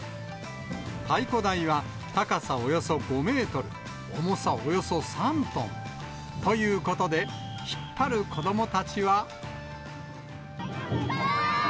太鼓台は高さおよそ５メートル、重さおよそ３トン。ということで、引っ張る子どもたちは。